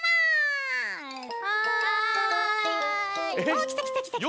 おっきたきたきたきた。